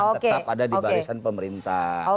tetap ada di barisan pemerintah